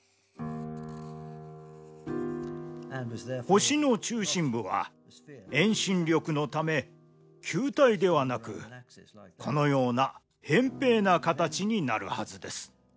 星の中心部は遠心力のため球体ではなくこのようなへん平な形になるはずです。